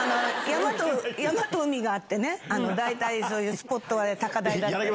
山と海があって、大体そういうスポットは高台だったり。